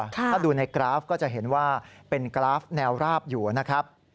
ถ้าดูในกราฟก็จะเห็นว่าเป็นกราฟแนวราบอยู่นะครับ